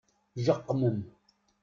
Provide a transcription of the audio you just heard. Jeqqmem!